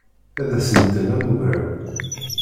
Ad as-nnḍen am ugraw.